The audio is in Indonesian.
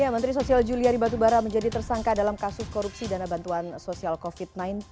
menteri sosial juliari batubara menjadi tersangka dalam kasus korupsi dana bantuan sosial covid sembilan belas